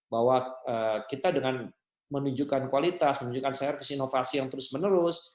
bahwa kita dengan menunjukkan kualitas menunjukkan saya harus inovasi yang terus menerus